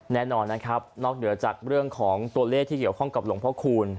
แน่นอนนะครับนอกเหนือจากเรื่องของตัวเลขที่เกี่ยวข้องกับหลวงพ่อคูณ